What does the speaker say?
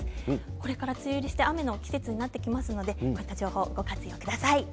これから梅雨入りして雨の季節になってきますのでご活用ください。